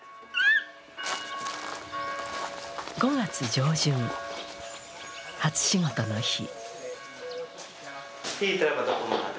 ５月上旬、初仕事の日。